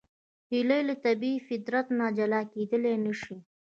هیلۍ له طبیعي فطرت نه جلا کېدلی نشي